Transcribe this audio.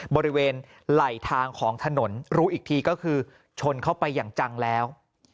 บริเวณไหล่ทางของถนนรู้อีกทีก็คือชนเข้าไปอย่างจังแล้ว